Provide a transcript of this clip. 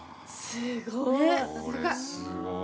すごい。